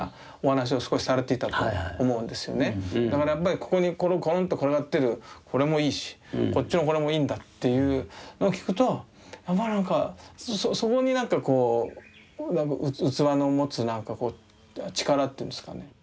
だからやっぱりここにこのころんと転がってるこれもいいしこっちのこれもいいんだっていうのを聞くとやっぱりそこになんかこう器の持つ力っていうんですかね。